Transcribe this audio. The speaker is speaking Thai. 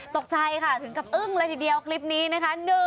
ตกใจค่ะถึงกับอึ้งเลยทีเดียวคลิปนี้นะคะ